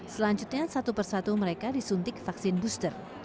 selanjutnya satu persatu mereka disuntik vaksin booster